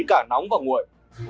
cả nóng và nguội